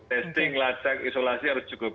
testing lacak isolasi harus cukup